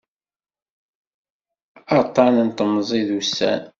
Aṭṭan n temẓi d ussan.